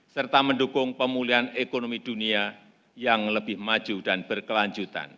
serta mendukung pemulihan ekonomi dunia yang lebih maju dan berkelanjutan